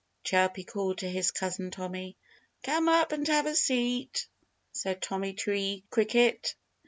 Chirpy called to his cousin Tommy. "Come up and have a seat!" said Tommy Tree Cricket.